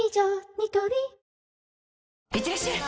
ニトリいってらっしゃい！